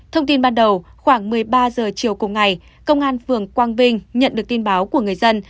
thông tin ban đầu khoảng một mươi ba h chiều cùng ngày công an phường quang vinh nhận được tin báo của người dân